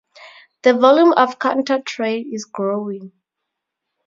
The volume of countertrade is growing.